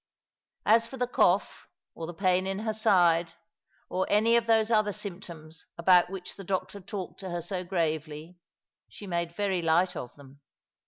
As for the cough, or the pain in her side, or any of those other symptoms about which the doctor talked to her 60 gravely, she made very light of them.